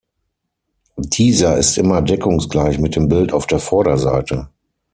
Dieser ist immer deckungsgleich mit dem Bild auf der Vorderseite.